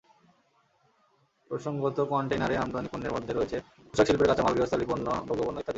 প্রসঙ্গত, কনটেইনারে আমদানি পণ্যের মধ্যে রয়েছে পোশাকশিল্পের কাঁচামাল, গৃহস্থালি পণ্য, ভোগ্যপণ্য ইত্যাদি।